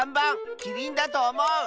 キリンだとおもう！